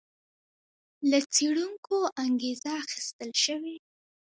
له څېړونکو انګېزه اخیستل شوې.